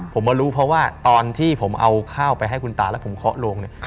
ผมมารู้เพราะว่าตอนที่ผมเอาข้าวไปให้คุณตาแล้วผมเคาะโรงเนี่ย